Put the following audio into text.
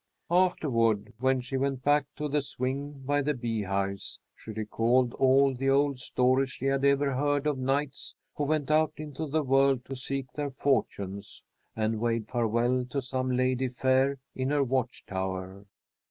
Afterward, when she went back to the swing by the beehives, she recalled all the old stories she had ever heard of knights who went out into the world to seek their fortunes, and waved farewell to some ladye fair in her watch tower.